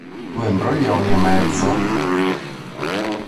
Due imbroglioni e... mezzo!